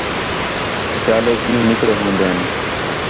سیالیک ݙِین٘ہوں نِکڑے ہون٘دِن